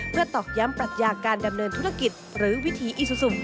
เพื่อตอกย้ำปรัชญาการดำเนินธุรกิจหรือวิถีอีซูซุม